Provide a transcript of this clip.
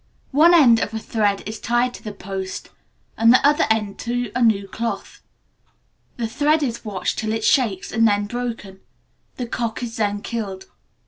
One end of a thread is tied to the post, and the other end to a new cloth. The thread is watched till it shakes, and then broken. The cock is then killed.